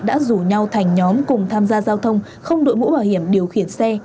đã rủ nhau thành nhóm cùng tham gia giao thông không đội mũ bảo hiểm điều khiển xe